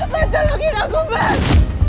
mas tolong hidupku mas